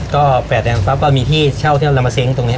ก็แปดแรงปั๊บก็มีที่เช่าที่ลำเมอร์เซงส์ตรงเนี่ย